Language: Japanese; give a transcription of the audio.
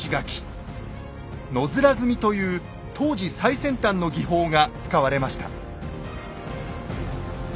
「野面積み」という当時最先端の技法が使われました。